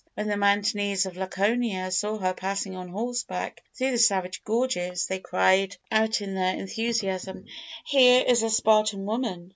When the mountaineers of Laconia saw her passing on horseback through the savage gorges, they cried out in their enthusiasm, "Here is a Spartan woman!"